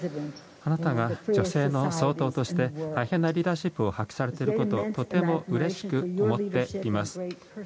あなたが女性の総統として大変なリーダーシップを発揮されていることをとてもうれしく思っています。